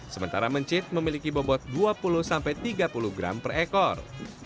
sementara mencit memiliki bobot dua puluh sampai tiga puluh gram per ekor